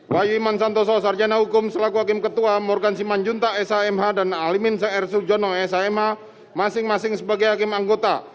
bayu iman santoso sarjana hukum selaku hakim ketua morgan siman junta s a m h dan alimin saersu jono s a m h masing masing sebagai hakim anggota